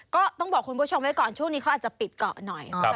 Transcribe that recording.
ก็ต้องบอกคุณผู้ชมไว้ก่อนช่วงนี้เขาอาจจะปิดเกาะหน่อย